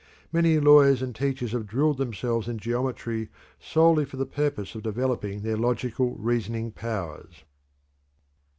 Many lawyers and teachers have drilled themselves in geometry solely for the purpose of developing their logical reasoning powers.